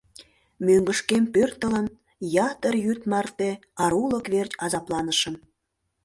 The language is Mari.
Мӧҥгышкем пӧртылын, ятыр йӱд марте арулык верч азапланышым.